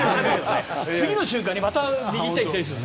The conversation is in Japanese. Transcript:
次の瞬間にまた右に行ったり左に行ったりする。